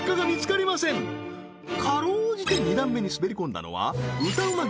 かろうじて２段目に滑り込んだのは歌うま